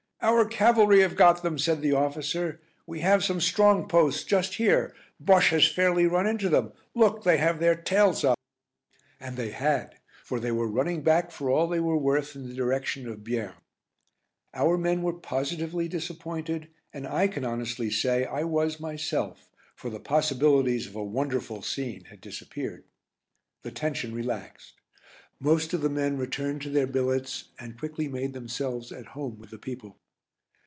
"Our cavalry have got them," said the officer. "We have some strong posts just here, Bosche has fairly run into them. Look! They have their tails up." And they had, for they were running back for all they were worth in the direction of Bierne. Our men were positively disappointed, and I can honestly say I was myself, for the possibilities of a wonderful scene had disappeared. The tension relaxed; most of the men returned to their billets and quickly made themselves at home with the people.